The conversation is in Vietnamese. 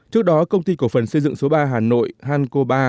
trước đó công ty cổ phần xây dựng số ba hà nội hanco ba